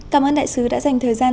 cảm ơn đại sứ đã dành thời gian